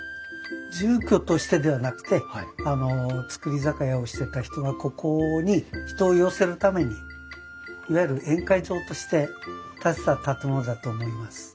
住居としてではなくて造り酒屋をしてた人がここに人を寄せるためにいわゆる宴会場として建てた建物だと思います。